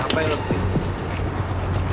apa yang lu lakukan